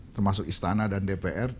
termasuk istana dan dpr